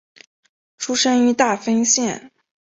出身于大分县。